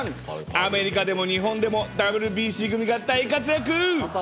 アメリカでも日本でもＷＢＣ組が大活躍！